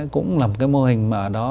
cũng là một cái mô hình mà ở đó